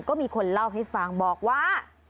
ก็มีคนเล่าให้ฟังบอกว่า